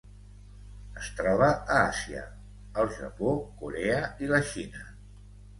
Es troba a Àsia: el Japó, Corea i la Xina.